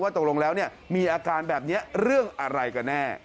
ตกลงแล้วมีอาการแบบนี้เรื่องอะไรกันแน่